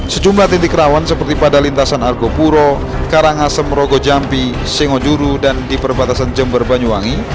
sejumlah titik rawan seperti pada lintasan argopuro karangasem rogo jambi sengojuru dan di perbatasan jember banyuwangi